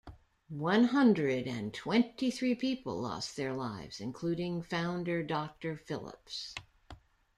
One hundred and twenty-three people lost their lives, including founder Doctor Phillips.